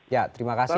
ya terima kasih